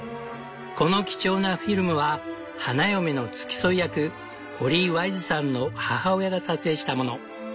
この貴重なフィルムは花嫁の付き添い役ホリー・ワイズさんの母親が撮影したもの。